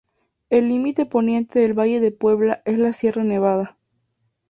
El límite poniente del valle de Puebla es la Sierra Nevada.